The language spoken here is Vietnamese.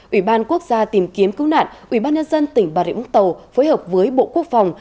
ủy ban quốc gia tìm kiếm cứu nạn ủy ban nhân dân tỉnh bà rịa úng tàu phối hợp với bộ quốc phòng